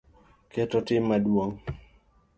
Oketo mit madung’